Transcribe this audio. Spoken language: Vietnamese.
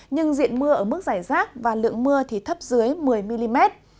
nhưng diện mưa ở mức giải rác và lượng mưa thì thấp dưới một mươi mm